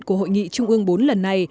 của hội nghị trung ương bốn lần này